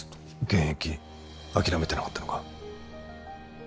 現役諦めてなかったのか？